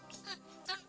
wah jangan dikitin doang